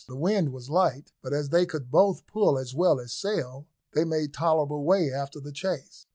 The wind was light, but as they could both pull as well as sail, they made tolerable way after the chase.